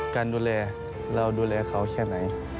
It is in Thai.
การดูแลเราดูแลเขาแค่ไหน